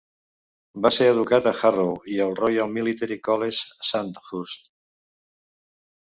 Va ser educat a Harrow i al Royal Military College, Sandhurst.